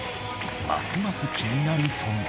ますます気になる存在。